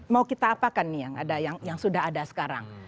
mau kita apakan nih yang sudah ada sekarang